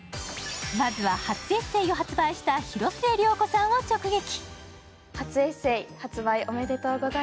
まずは初エッセーを発売した広末涼子さんを直撃。